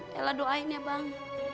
yalah doain ya bang